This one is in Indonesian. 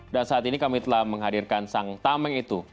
saat ini kami telah menghadirkan sang tameng itu